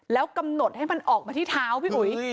แล้วกำหนดให้มันออกมาที่เท้าพี่อุ๋ย